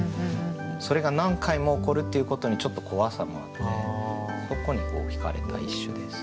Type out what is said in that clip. それが何回も起こるっていうことにちょっと怖さもあってそこにひかれた一首です。